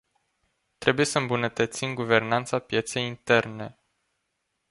Trebuie să îmbunătățim guvernanța pieței interne.